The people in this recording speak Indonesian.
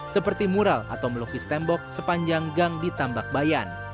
seperti mural atau melukis tembok sepanjang gang di tambak bayan